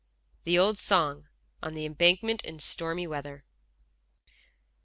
THE OLD SONG _(On the Embankment in stormy weather.)